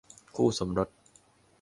คู่สมรส